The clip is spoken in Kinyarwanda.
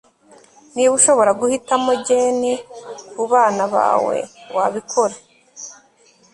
niba ushobora guhitamo gen kubana bawe, wabikora